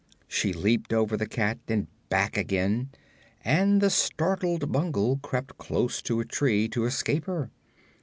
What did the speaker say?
She leaped over the cat and back again, and the startled Bungle crept close to a tree to escape her.